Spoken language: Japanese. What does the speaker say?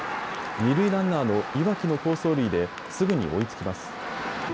二塁ランナーの岩城の好走塁ですぐに追いつきます。